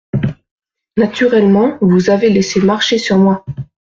Naturellement, vous avez laissé marcher sur moi !